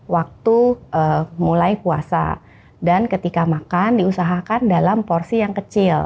waktu mulai puasa dan ketika makan diusahakan dalam porsi yang kecil